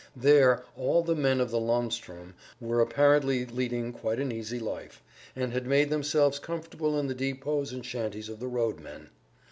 There all the men of the landsturm were apparently leading quite an easy life, and had made themselves comfortable in the depots and shanties of the road men.